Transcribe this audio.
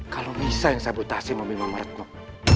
kalau nisa yang sabotasi mobil pemerintah